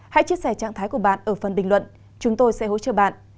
hãy chia sẻ trạng thái của bạn ở phần bình luận chúng tôi sẽ hỗ trợ bạn